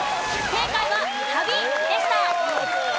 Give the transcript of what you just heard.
正解は「旅」でした。